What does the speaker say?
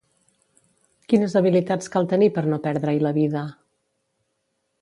Quines habilitats cal tenir per no perdre-hi la vida?